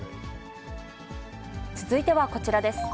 続いてはこちらです。